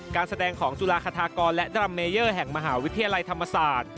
การแสดงของจุฬาคทากรและดรัมเมเยอร์แห่งมหาวิทยาลัยธรรมศาสตร์